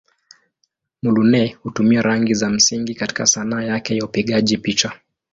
Muluneh hutumia rangi za msingi katika Sanaa yake ya upigaji picha.